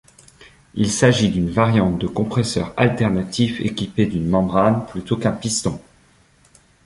Il s'agit d'une variante de compresseur alternatif équipé d'une membrane plutôt qu'un piston.